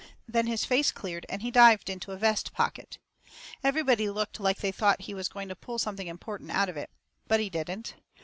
Then his face cleared, and he dived into a vest pocket. Everybody looked like they thought he was going to pull something important out of it. But he didn't.